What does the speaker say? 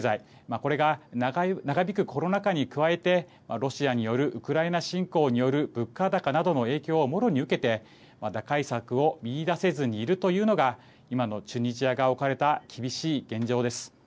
これが長引くコロナ禍に加えてロシアによるウクライナ侵攻による物価高などの影響をもろに受けて打開策を見いだせずにいるというのが今のチュニジアが置かれた厳しい現状です。